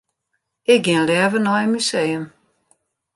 Ik gean leaver nei in museum.